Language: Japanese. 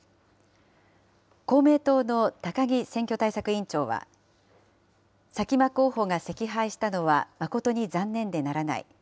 公明党の高木選挙対策委員長は、佐喜真候補が惜敗したのは誠に残念でならない。